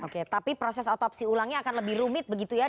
oke tapi proses otopsi ulangnya akan lebih rumit begitu ya